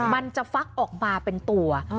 มันจะฟักออกมาเป็นตัว